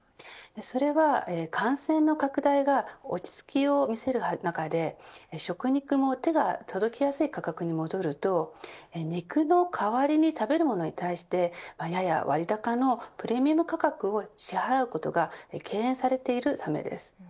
それは感染の拡大が落ち着きを見せる中で食肉も手が届きやすい価格に戻ると肉の代わりに食べるものに対してやや割高のプレミアム価格を支払うことが敬遠されているためです。